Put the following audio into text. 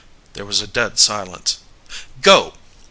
There was a dead silence. "Go!"